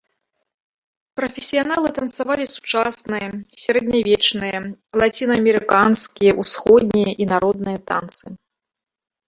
Прафесіяналы танцавалі сучасныя, сярэднявечныя, лацінаамерыканскія, ўсходнія і народныя танцы.